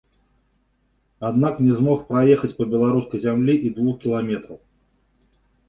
Аднак не змог праехаць па беларускай зямлі і двух кіламетраў.